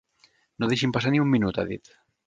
No deixin passar ni un minut, ha dit.